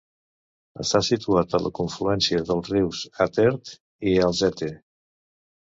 Està situat a la confluència dels rius Attert i Alzette.